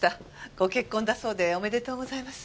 ご結婚だそうでおめでとうございます。